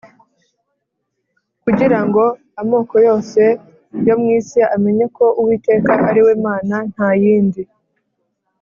kugira ngo amoko yose yo mu isi amenye ko Uwiteka ari we Mana, nta yindi